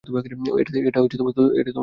এটা তোমার চোখের মতো।